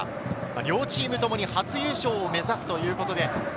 両チームともに初優勝を目指すということで。